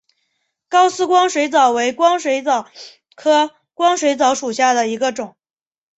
高斯光水蚤为光水蚤科光水蚤属下的一个种。